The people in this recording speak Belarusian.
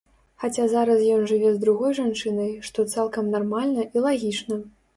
Хаця зараз ён жыве з другой жанчынай, што цалкам нармальна і лагічна.